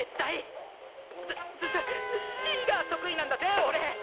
すすすスキーが得意なんだぜおれ！